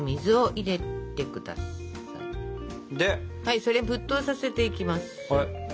それ沸騰させていきます。